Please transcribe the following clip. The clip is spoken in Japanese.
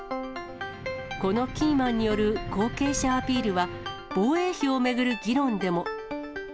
このキーマンによる後継者アピールは、防衛費を巡る議論でも。